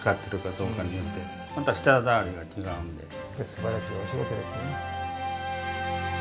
すばらしいお仕事ですね。